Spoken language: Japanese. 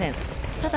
ただ